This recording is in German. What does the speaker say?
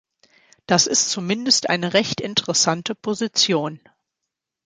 Das ist zumindest eine recht interessante Position.